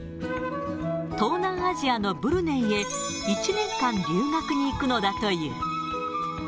東南アジアのブルネイへ、１年間留学に行くのだという。